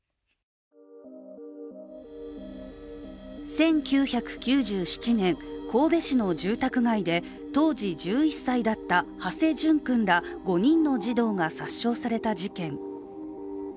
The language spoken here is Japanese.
１９９７年、神戸市の住宅街で当時１１歳だった土師淳君ら５人の児童が殺傷された事件。